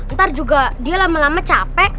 ntar juga dia lama lama capek